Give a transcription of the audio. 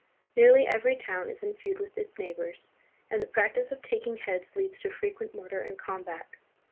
Nearly every town is in feud with its neighbors, and the practice of taking heads leads to frequent murder and combat.